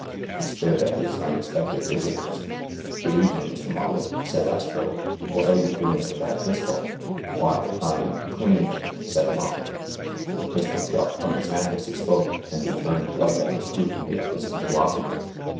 He stared at his unexpected visitors. "Good evening, Mr. Moffett," said Astro. "What are you doing with that pistol ?" "Why— Fm— cleaning it," said Moffett. The pistol dropped from his hand as he spoke, and he turned white at the scrutiny of his interlocutor.